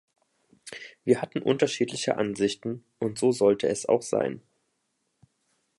Wir hatten unterschiedliche Ansichten, und so sollte es auch sein.